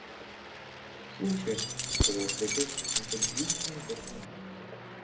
– Слушай, – сказал Пугачев с каким-то диким вдохновением.